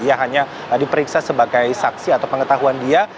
ia hanya diperiksa sebagai saksi atau pengetahuan dia